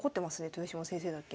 豊島先生だけ。